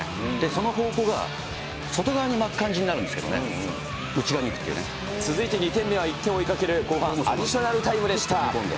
その方向が、外側に巻く感じになるんですけれどもね、続いて２点目は、１点を追いかける後半、アディショナルタイムでした。